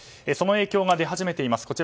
その影響が出始めています。